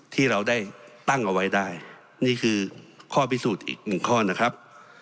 ที่เราได้ตั้งเอาไว้ได้นี่คือข้อพิสูจน์อีกหนึ่งข้อนะครับ